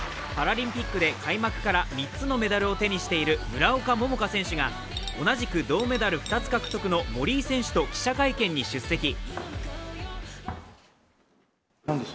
パラリンピックで開幕から３つのメダルを手にしている村岡桃佳選手が同じく銅メダル２つ獲得の森井選手と記者会見に出席。